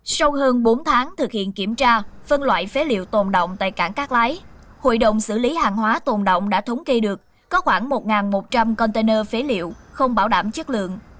sau hơn bốn tháng thực hiện kiểm tra phân loại phế liệu tồn động tại cảng cát lái hội đồng xử lý hàng hóa tồn động đã thống kê được có khoảng một một trăm linh container phế liệu không bảo đảm chất lượng